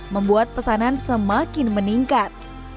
membuat pesanan semakin meningkat